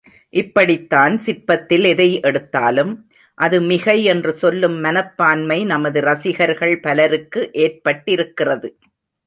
இப்படித்தான் சிற்பத்தில் எதை எடுத்தாலும், அது மிகை என்று சொல்லும் மனப்பான்மை, நமது ரசிகர்கள் பலருக்கு ஏற்பட்டிருக்கிறது.